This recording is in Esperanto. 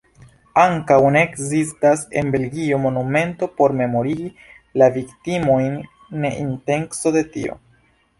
Ankaŭ ne ekzistas en Belgio monumento por memorigi la viktimojn, nek intenco de tio.